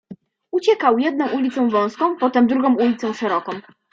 Uciekał jedną ulicą wąską, potem drugą ulicą szeroką.